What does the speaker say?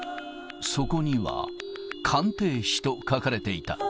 そこには、鑑定士と書かれていた。